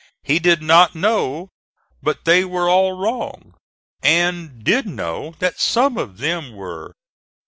He did not know but they were all wrong, and did know that some of them were.